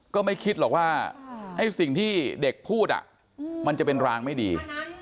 ก็ไม่คิดหรอกว่าไอ้สิ่งที่เด็กพูดมันจะเป็นรางไม่ดี